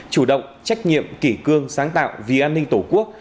chủ động trách nhiệm kỷ cương sáng tạo vì an ninh tổ quốc